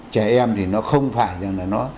trẻ em thì nó không phải rằng là nó